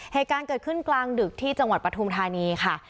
เหตุการณ์เกิดขึ้นกลางดึกที่จังหวัดปฐุมธานีค่ะ